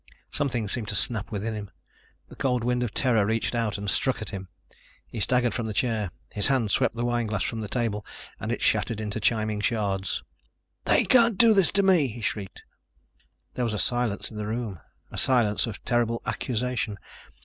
Something seemed to snap within him. The cold wind of terror reached out and struck at him. He staggered from the chair. His hand swept the wine glass from the table and it shattered into chiming shards. "They can't do this to me!" he shrieked. There was a silence in the room a silence of terrible accusation.